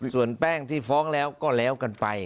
ส่วนแป้งที่ฟ้องแล้วก็แล้วกันไป